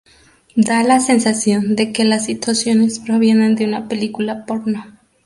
Da la sensación de que las situaciones provienen de una película porno".